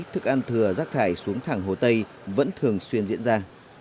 thức ăn thừa rác thải xuống thẳng hồ tây vẫn thường xuyên diễn ra